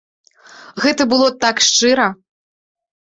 Гэта было так шчыра.